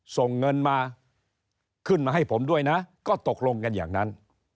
ส่งเงินมาขึ้นมาให้ผมด้วยนะก็ตกลงกันอย่างนั้น